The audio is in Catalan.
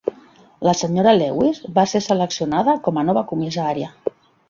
La Sra. Lewis va ser seleccionada com a nova comissària.